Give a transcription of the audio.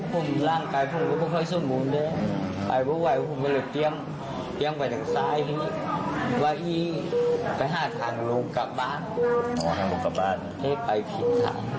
รู้มันเดือนให้เก่ง